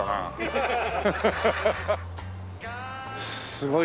すごい。